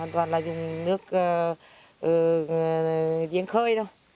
hoàn toàn là dùng nước diễn khơi thôi